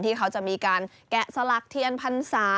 ที่เขาจะมีการแกะสลักเทียนพรรษา